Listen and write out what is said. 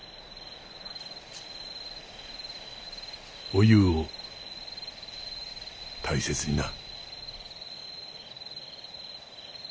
おゆうを大切にな。